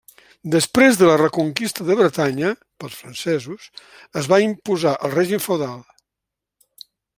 Després de la reconquista de Bretanya pels francesos, es va imposar el règim feudal.